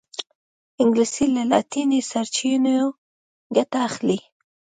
انګلیسي له لاطیني سرچینو ګټه اخلي